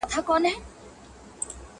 وروسته نجلۍ غوجلې ته وړل کيږي او حالت بدلېږي